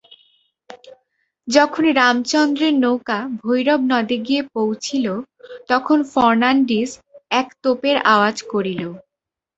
যখন রামচন্দ্রের নৌকা ভৈরব নদে গিয়া পৌঁছিল তখন ফর্ণাণ্ডিজ এক তোপের আওয়াজ করিল।